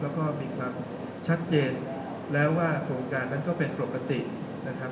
แล้วก็มีความชัดเจนแล้วว่าโครงการนั้นก็เป็นปกตินะครับ